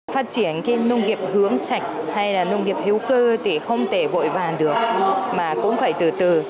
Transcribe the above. phát triển cái nông nghiệp hướng sạch hay là nông nghiệp hữu cơ thì không thể vội vàng được mà cũng phải từ từ